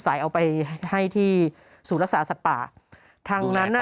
เอาไปให้ที่ศูนย์รักษาสัตว์ป่าทางนั้นน่ะ